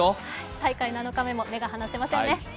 大会７日目も目が離せませんね。